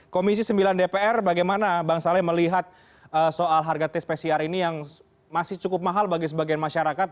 komisi sembilan dpr bagaimana bang saleh melihat soal harga tes pcr ini yang masih cukup mahal bagi sebagian masyarakat